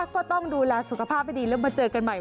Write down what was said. ก็ต้องดูแลสุขภาพให้ดีแล้วมาเจอกันใหม่